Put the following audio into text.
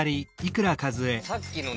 さっきのね